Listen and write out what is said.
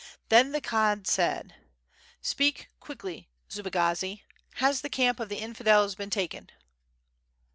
Then the Khan said: "Speak quickly Subagazi has the camp of the infidels been taken?"